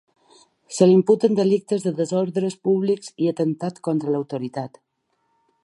Se li imputen delictes de desordres públics i atemptat contra l’autoritat.